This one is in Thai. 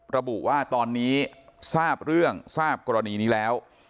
ระบุว่าตอนนี้ทราบเรื่องทราบกรณีนี้แล้ว